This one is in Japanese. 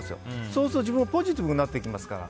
そうすると自分もポジティブになりますから。